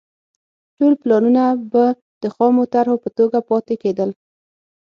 ټول پلانونه به د خامو طرحو په توګه پاتې کېدل.